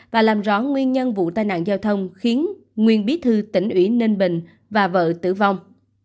và làm rõ nguyên nhân vụ tai nạn giao thông khiến nguyên bí thư tỉnh ủy ninh bình và vợ tử vong